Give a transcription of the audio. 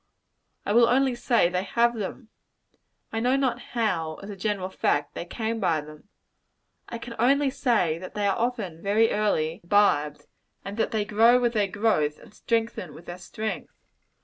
I will only say they have them. I know not how, as a general fact, they came by them. I can only say that they are often very early imbibed; and that they grow with their growth, and strengthen with their strength.